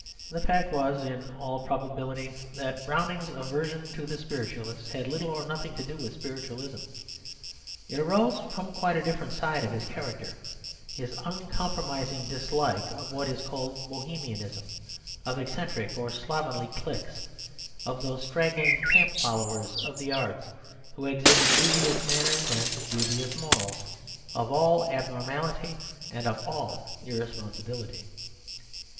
The fact was in all probability that Browning's aversion to the spiritualists had little or nothing to do with spiritualism. It arose from quite a different side of his character his uncompromising dislike of what is called Bohemianism, of eccentric or slovenly cliques, of those straggling camp followers of the arts who exhibit dubious manners and dubious morals, of all abnormality and of all irresponsibility.